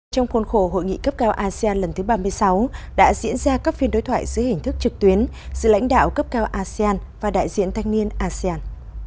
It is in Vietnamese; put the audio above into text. trong khuôn khổ hội nghị cấp cao asean lần thứ ba mươi sáu đã diễn ra các phiên đối thoại dưới hình thức trực tuyến giữa lãnh đạo cấp cao asean và đại diện thanh niên asean